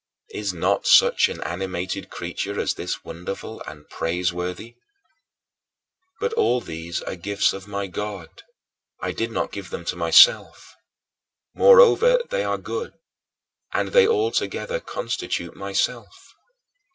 Is not such an animated creature as this wonderful and praiseworthy? But all these are gifts of my God; I did not give them to myself. Moreover, they are good, and they all together constitute myself.